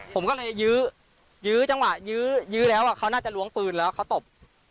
ผมก็เลยยื้อยื้อจังหวะยื้อยื้อแล้วเขาน่าจะล้วงปืนแล้วเขาตบ